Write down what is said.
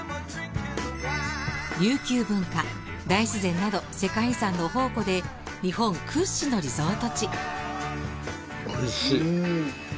琉球文化大自然など世界遺産の宝庫で日本屈指のリゾート地。